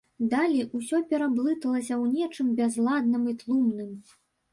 Далей усё пераблыталася ў нечым бязладным і тлумным.